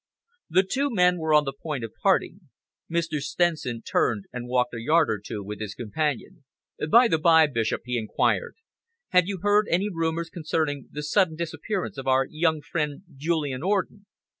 The two men were on the point of parting. Mr. Stenson turned and walked a yard or two with his companion. "By the bye, Bishop," he enquired, "have you heard any rumours concerning the sudden disappearance of our young friend Julian Orden?"